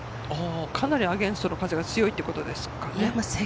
かなりアゲンストの風が強いってことですかね。